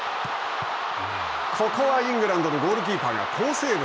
ここはイングランドのゴールキーパーが好セーブ。